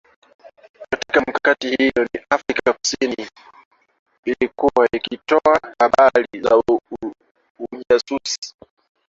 Katika mikakati hiyo ni Afrika kusini ilikuwa ikitoa habari za ujasusi